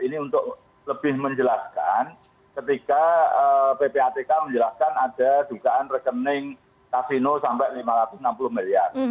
ini untuk lebih menjelaskan ketika ppatk menjelaskan ada dugaan rekening kasino sampai rp lima ratus enam puluh miliar